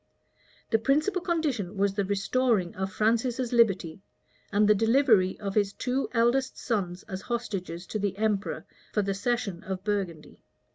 The principal condition was the restoring of Francis's liberty, and the delivery of his two eldest sons as hostages to the emperor for the cession of Burgundy.